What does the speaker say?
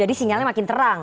jadi sinyalnya makin terang